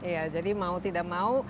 ya jadi mau tidak mau